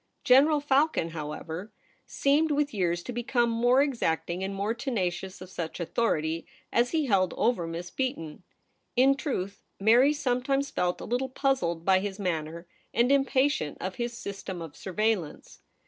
General Falcon, however, seemed with }ears to become more exacting and more tenacious of such authority as he held over Miss Beaton. In truth, Mary sometimes felt a little puzzled by his manner, and impatient THE PRINCESS AT HOME. 159 of his system of surveillance.